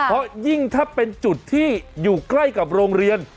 เพราะยิ่งถ้าเป็นจุดที่อยู่ใกล้กับโรงเรียน